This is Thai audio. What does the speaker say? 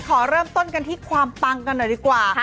ขอเริ่มต้นกันที่ความปังกันหน่อยดีกว่า